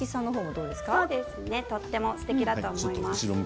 とてもすてきだと思います。